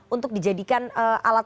untuk dijadikan alat